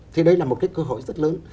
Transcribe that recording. thì đây là một cái cơ hội rất lớn